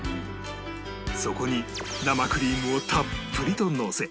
そこに生クリームをたっぷりとのせ